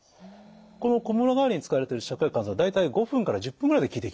このこむら返りに使われている芍薬甘草湯大体５分から１０分ぐらいで効いてきます。